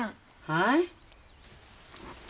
はい？